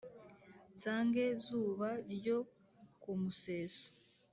nsange zuba ryo ku museso